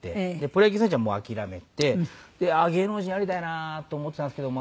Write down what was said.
プロ野球選手はもう諦めて芸能人やりたいなと思ってたんですけど。